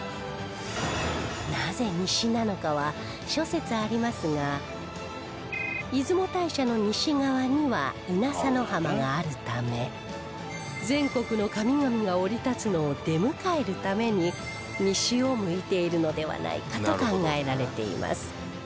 なぜ西なのかは諸説ありますが出雲大社の西側には稲佐の浜があるため全国の神々が降り立つのを出迎えるために西を向いているのではないかと考えられています